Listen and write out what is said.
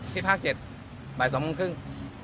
ที่ภาคเจ็ดบ่ายสองครึ่งครึ่ง